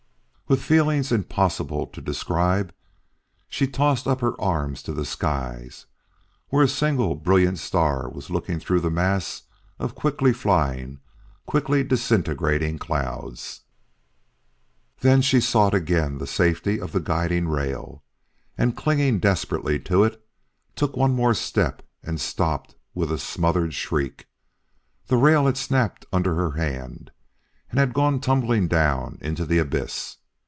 With feelings impossible to describe, she tossed up her arms to the skies, where a single brilliant star was looking through the mass of quickly flying, quickly disintegrating clouds. Then she sought again the safety of the guiding rail, and clinging desperately to it, took one more step and stopped with a smothered shriek. The rail had snapped under her hand and had gone tumbling down into the abyss.